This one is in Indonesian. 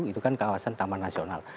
itu kan kawasan taman nasional